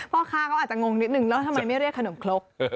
พ่อค้าเขาอาจจะงงนิดนึงแล้วทำไมไม่เรียกขนมครก